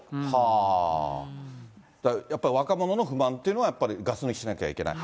やっぱり若者の不満というのは、やっぱりガス抜きしなきゃいけない。